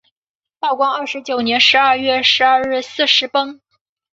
道光二十九年十二月十二日巳时崩。